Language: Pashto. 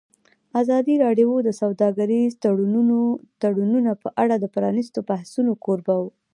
ازادي راډیو د سوداګریز تړونونه په اړه د پرانیستو بحثونو کوربه وه.